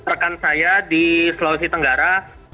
rekan saya di sulawesi tenggara